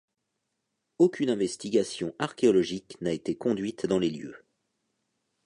Aucune investigation archéologique n'a été conduite dans les lieux.